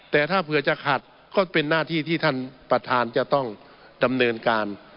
แต่ถ้าเผื่อจะขัดก็เป็นหน้าที่ที่ท่านประธานจะต้องดำเนินการ